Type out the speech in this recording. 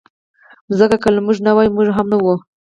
مځکه که له موږ نه وای، موږ هم نه وو.